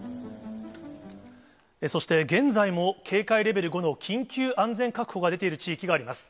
そして、現在も警戒レベル５の緊急安全確保が出ている地域があります。